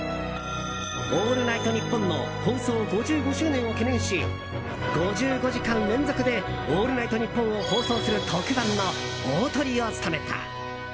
「オールナイトニッポン」の放送５５周年を記念し５５時間連続で「オールナイトニッポン」を放送する特番の大トリを務めた。